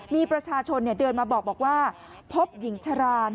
มีประชาชนเนี้ยเดินมาบอกบอกว่าพบหญิงชราน